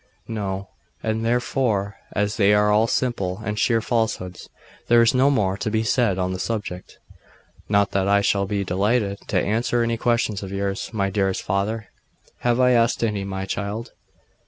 'No and therefore, as they are all simple and sheer falsehoods, there is no more to be said on the subject. Not that I shall not be delighted to answer any questions of yours, my dearest father ' 'Have I asked any, my child?